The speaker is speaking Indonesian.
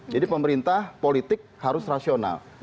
jadi pemerintah politik harus rasional